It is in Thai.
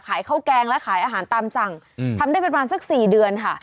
ขายข้าวแกงและขายอาหารตามสั่งทำได้ประมาณสัก๔เดือนค่ะ